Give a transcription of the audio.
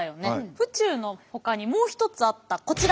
府中のほかにもう一つあったこちら。